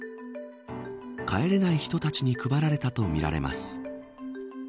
帰れない人たちに配られたとみられます。